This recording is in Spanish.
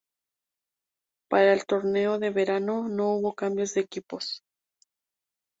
Para el torneo de Verano no hubo cambios de equipos.